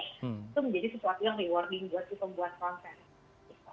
itu menjadi sesuatu yang rewarding buat si pembuat konten